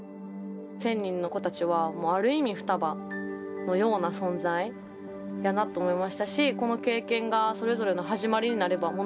１，０００人の子たちはある意味双葉のような存在やなと思いましたしこの経験がそれぞれの始まりになれば。